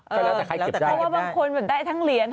ก็แล้วแต่ใครคิดจะได้เพราะว่าบางคนแบบได้ทั้งเหรียญ